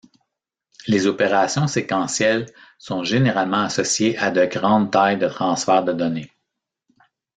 Les opérations séquentielles sont généralement associées à de grandes tailles de transfert de données.